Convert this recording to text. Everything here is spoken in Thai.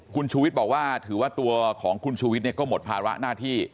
คุณชูวิทย์บอกว่าถือว่าตัวของคุณชูวิทย์ก็หมดภาระหน้าที่